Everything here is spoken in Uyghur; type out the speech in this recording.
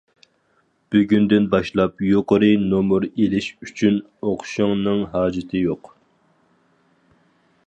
بۈگۈندىن باشلاپ يۇقىرى نومۇر ئېلىش ئۈچۈن ئوقۇشۇڭنىڭ ھاجىتى يوق.